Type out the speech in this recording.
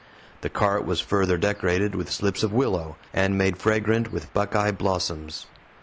The cart was further decorated with slips of willow, and made fragrant with buckeye blossoms.